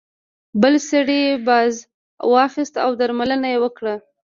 بل سړي باز واخیست او درملنه یې وکړه.